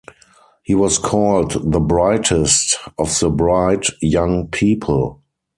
He was called "the brightest" of the "Bright Young People".